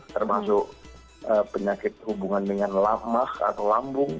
termasuk penyakit hubungan dengan lemas atau lambung